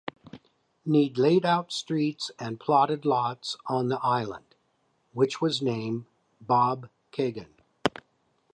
Need laid out streets and plotted lots on the island, which was named Bobcaygeon.